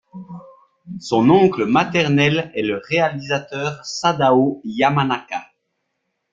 Son oncle maternel est le réalisateur Sadao Yamanaka.